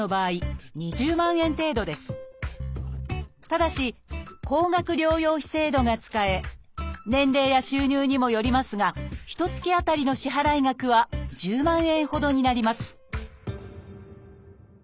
ただし高額療養費制度が使え年齢や収入にもよりますがひとつき当たりの支払い額は１０万円ほどになります